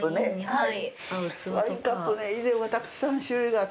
はい。